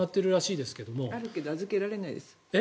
あるけど預けられないです